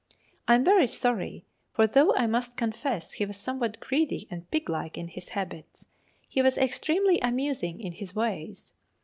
I am very sorry; for though I must confess he was somewhat greedy and pig like in his habits, he was extremely amusing in his ways.